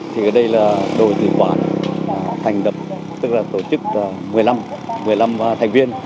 thì ở đây là đội tù quản thành đập tức là tổ chức một mươi năm thành viên